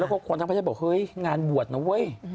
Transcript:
แล้วก็คนทั้งประเทศบอกเฮ้ยงานบวชนะเว้ย